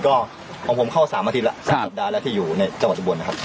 ก็ของผมเข้าสามอาทิตย์แล้วครับสักสัปดาห์แล้วที่อยู่ในเจาะสบวนนะครับ